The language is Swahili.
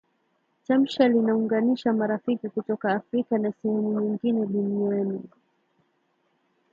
Tamsha linaunganisha marafiki kutoka Afrika na sehemu nyingine dunianini